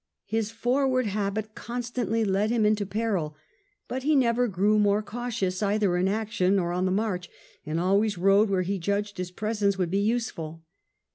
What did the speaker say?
His forward habit constantly led him into peril, but he never grew more cautious either in action or on the march, and always rode where he judged his presence would be useful.